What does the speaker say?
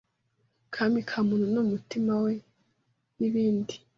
kami ka muntu ni umutima we n’ibindi.